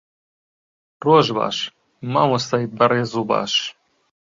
ڕۆژ باش، مامۆستای بەڕێز و باش.